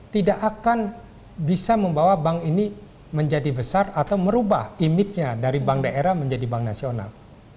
tidak akan bisa membawa bank ini menjadi besar atau merubah image nya dari bank daerah menjadi bank nasional